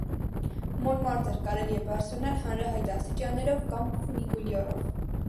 Մոնմարտր կարելի է բարձրանալ հանրահայտ աստիճաններով կամ ֆունիկուլյորով։